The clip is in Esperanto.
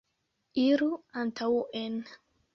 Iru antaŭen.